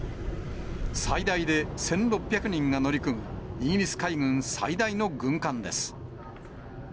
最大で１６００人が乗り組むイギリス海軍最大の軍艦です。